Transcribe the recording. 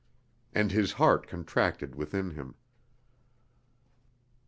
And his heart contracted within him.